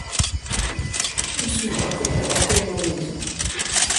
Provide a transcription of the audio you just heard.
Imsujji iga akk ayen umi yezmer.